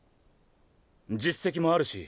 実績もあるし